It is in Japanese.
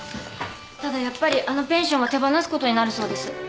ただやっぱりあのペンションは手放すことになるそうです。